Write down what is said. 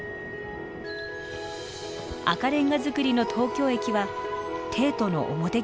赤レンガ造りの東京駅は帝都の表玄関でした。